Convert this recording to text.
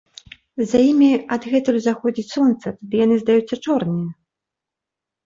За імі адгэтуль заходзіць сонца, тады яны здаюцца чорныя.